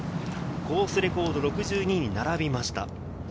コースレコード６２に並びました。